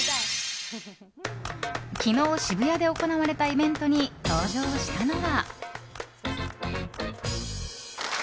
昨日、渋谷で行われたイベントに登場したのは。